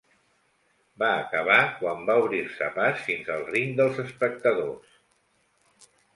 Va acabar quan va obrir-se pas fins al ring dels espectadors.